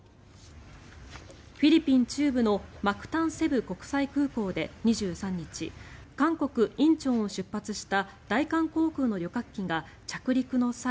フィリピン中部のマクタン・セブ国際空港で２３日韓国・仁川を出発した大韓航空の旅客機が着陸の際